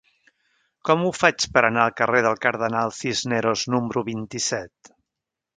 Com ho faig per anar al carrer del Cardenal Cisneros número vint-i-set?